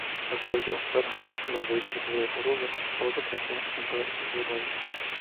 La solución fueron los vehículos sobre orugas o con tracción en todas sus ruedas.